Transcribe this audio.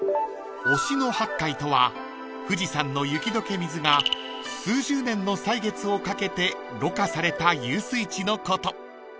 ［忍野八海とは富士山の雪解け水が数十年の歳月をかけてろ過された湧水地のこと］